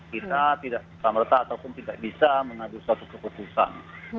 kita tidak bisa mengadu satu keputusan